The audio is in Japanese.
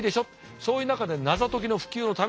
そういう中で謎解きの普及のためにですね